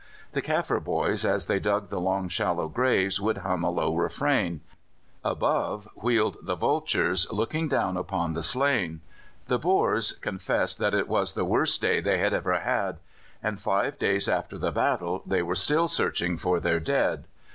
The Kaffir boys as they dug the long shallow graves would hum a low refrain; above wheeled the vultures, looking down upon the slain. The Boers confessed that it was the worst day they had ever had, and five days after the battle they were still searching for their dead.